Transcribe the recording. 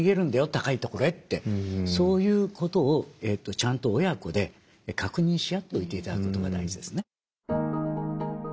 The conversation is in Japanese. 高いところへってそういうことをちゃんと親子で確認し合っておいていただくことが大事ですね。